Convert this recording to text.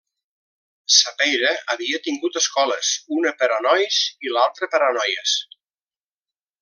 Sapeira havia tingut escoles, una per a nois i l'altra per a noies.